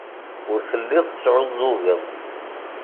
Ur telliḍ tesɛuẓẓugeḍ.